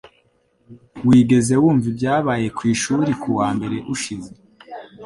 Wigeze wumva ibyabaye ku ishuri kuwa mbere ushize